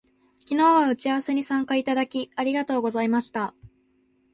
昨日は打ち合わせに参加いただき、ありがとうございました